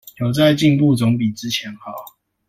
有在進步總比之前好